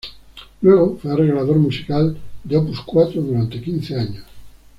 Luego fue arreglador musical de Opus Cuatro durante quince años.